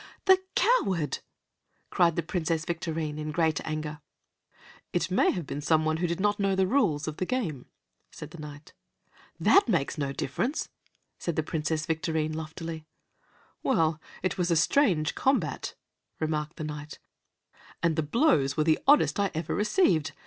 "The coward!" cried the Princess Victorine, in great anger. "It may have been some one who did not know the rules of the game," said the Knight. "That makes no difference," said Princess Victorine loftily. "Well, it was a strange combat," remarked the Knight, "and the blows were the oddest I ever received.